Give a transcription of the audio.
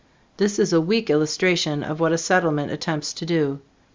This is a weak illustration of what a Settlement attempts to do.